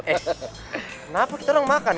kenapa kita orang makan